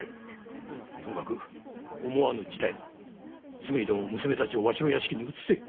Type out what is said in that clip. すぐに娘たちをわしの屋敷に移せ。